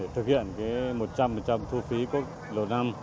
thực hiện một trăm linh thu phí quốc lộ năm